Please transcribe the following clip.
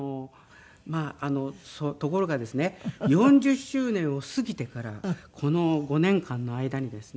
ところがですね４０周年を過ぎてからこの５年間の間にですね